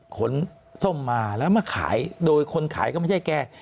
ส้มมาแล้วมาขายโดยคนขายก็ไม่ใช่แก